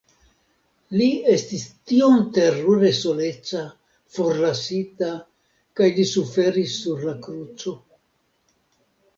Li estis tiom terure soleca, forlasita kaj li suferis sur la kruco..